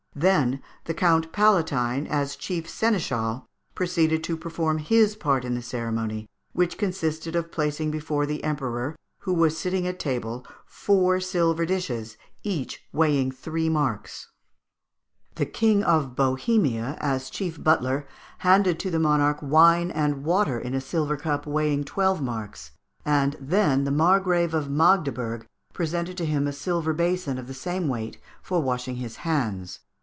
Then the Count Palatine, as chief seneschal, proceeded to perform his part in the ceremony, which consisted of placing before the Emperor, who was sitting at table, four silver dishes, each weighing three marks. The King of Bohemia, as chief butler, handed to the monarch wine and water in a silver cup weighing twelve marks; and then the Margrave of Magdeburg presented to him a silver basin of the same weight for washing his hands.